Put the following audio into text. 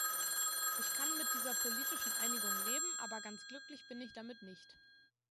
Ich kann mit dieser politischen Einigung leben, aber ganz glücklich bin ich damit nicht.